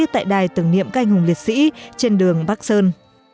tại đài tưởng niệm canh hùng liệt sĩ trên đường bắc sơn